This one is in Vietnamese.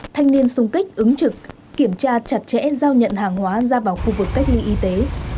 thanh niên sung kích ứng trực kiểm tra chặt chẽ giao nhận hàng hóa ra vào khu vực cách ly y tế